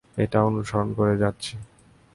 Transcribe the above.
এটা অনুসরণ করে যাচ্ছি।